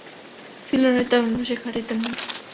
সিলোনের তামিল ভাষা খাঁটি তামিল।